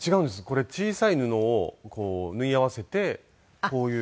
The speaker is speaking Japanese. これ小さい布を縫い合わせてこういう。